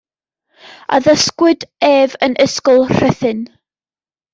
Addysgwyd ef yn Ysgol Rhuthun.